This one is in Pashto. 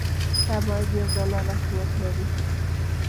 کم عاید یو ډالر اهميت لري.